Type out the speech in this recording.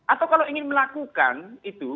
atau kalau ingin melakukan itu